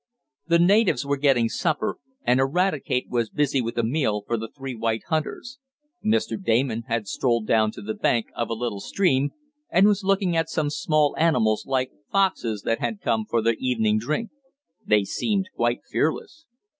The natives were getting supper, and Eradicate was busy with a meal for the three white hunters. Mr. Damon had strolled down to the bank of a little stream, and was looking at some small animals like foxes that had come for their evening drink. They seemed quite fearless.